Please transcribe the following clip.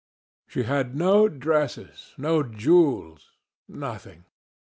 She had no dresses, no jewels, nothing.